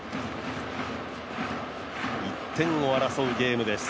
１点を争うゲームです。